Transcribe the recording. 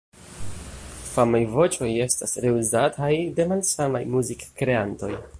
Famaj voĉoj estas reuzataj de malsamaj muzikkreantoj.